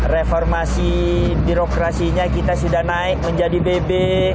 reformasi birokrasinya kita sudah naik menjadi bebek